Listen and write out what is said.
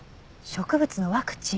植物のワクチン。